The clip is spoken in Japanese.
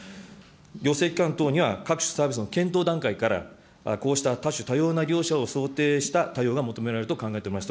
行政機関等には各種サービスの検討段階から、こうした多種多様な利用者を想定した対応が求められると考えております